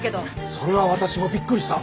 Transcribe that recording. それは私もびっくりした。